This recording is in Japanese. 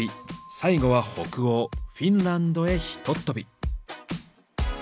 最後は北欧フィンランドへひとっ飛び。